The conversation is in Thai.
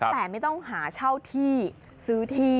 แต่ไม่ต้องหาเช่าที่ซื้อที่